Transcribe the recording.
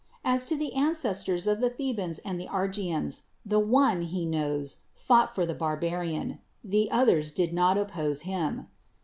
As to the ancestors of the Thebans and the Argians, the one, he knows, fought foi' the barbarian: the others did not oppose him.